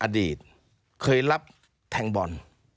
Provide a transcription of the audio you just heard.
อดีตเคยรับแทงบอล